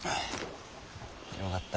よかった。